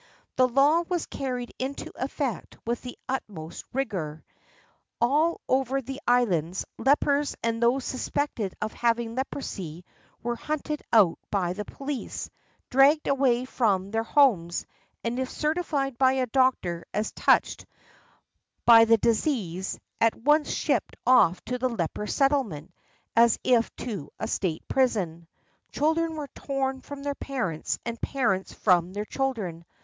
The law was carried into effect with the utmost rigor. All over the islands lepers and those suspected of having leprosy were hunted out by the poUce, dragged away from their homes, and if certified by a doctor as touched by the 527 ISLANDS OF THE PACIFIC disease, at once shipped off to the leper settlement as if to a state prison. Children were torn from their parents and parents from their children.